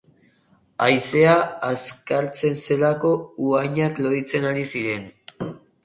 Haizea azkartzen zelako, uhainak loditzen ari ziren.